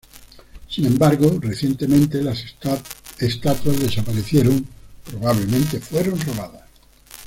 Sin embargo recientemente las estatuas desaparecieron; probablemente fueron robadas.